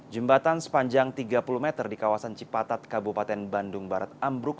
jembatan sepanjang tiga puluh meter di kawasan cipatat kabupaten bandung barat ambruk